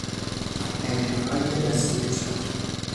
انحنای دستهی چتر